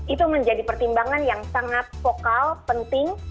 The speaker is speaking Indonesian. itu menjadi pertimbangan yang sangat vokal penting